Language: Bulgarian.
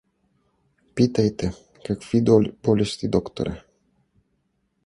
Питайте: какви болести, докторе!